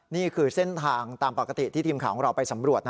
นี่คือเส้นทางตามปกติที่ทีมข่าวของเราไปสำรวจ